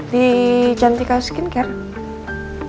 di jantika skincare